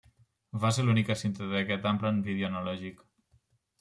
Va ser l'única cinta d'aquest ample en vídeo analògic.